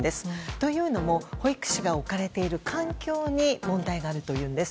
というのも保育士が置かれている環境に問題があるんです。